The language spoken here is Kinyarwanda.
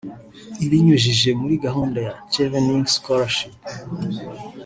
ibinyujije muri gahunda ya Chevening Scholarship